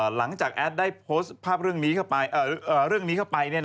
หลังจากแอดท์ได้โพสต์ภาพเรื่องนี้เข้าไป